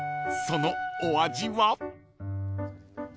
［そのお味は？］